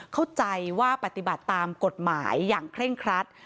เข้าใจว่าปฏิบัติตามกฎหมายอย่างเคร่งครัด